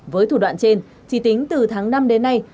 với thủ đoạn trên chỉ tính từ tháng năm đến nay